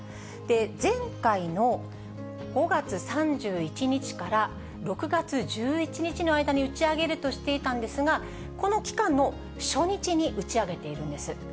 前回の５月３１日から６月１１日の間に打ち上げるとしていたんですが、この期間の初日に打ち上げているんです。